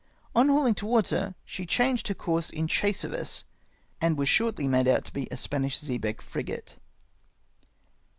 On hauhng towards her, she changed her conrse in chase of us, and Avas shortly made out to be a Spanish xebec frisrate.